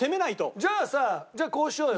じゃあさじゃあこうしようよ。